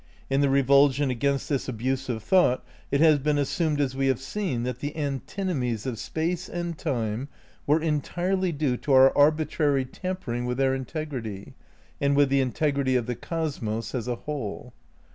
In the revulsion against this abuse of thought it has been assumed, as we have seen, that the antinomies of Space and Time were entirely due to our arbitrary tampering with their integrity and with the integrity of the cosmos as a whole.